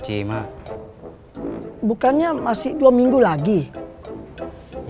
katanya sama keputusan